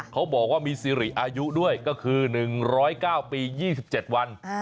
เขาบอกว่ามีสิริอายุด้วยก็คือ๑๐๙ปี๒๗วัน